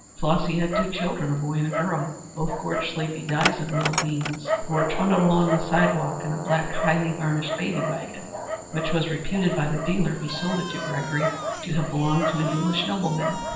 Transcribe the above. Flossy had two children, a boy and a girl, two gorgeously bedizened little beings who were trundled along the sidewalk in a black, highly varnished baby wagon which was reputed by the dealer who sold it to Gregory to have belonged to an English nobleman.